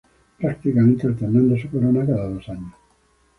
Prácticamente alternando su corona cada dos años.